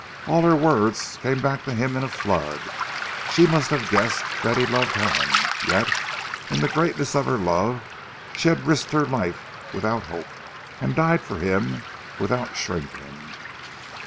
All her words came back to him in a flood. She must have guessed that he loved Helen; yet in the greatness of her love, she had risked her life without hope, and died for him without shrinking.